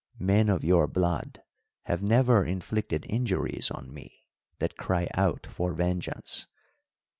Men of your blood have never inflicted injuries on me that cry out for vengeance.